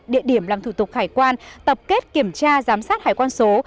địa điểm làm thủ tục hải quan tập kết kiểm tra giám sát hải quan số